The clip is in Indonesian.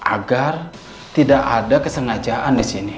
agar tidak ada kesengajaan di sini